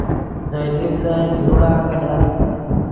دے لیڤدن یوڑا کینت